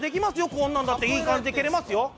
こんなのだっていい感じで蹴れますよ。